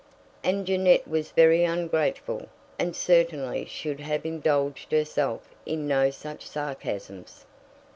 And Jeannette was very ungrateful, and certainly should have indulged herself in no such sarcasms.